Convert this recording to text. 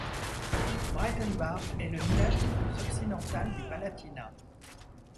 Breitenbach est le village le plus occidental du Palatinat.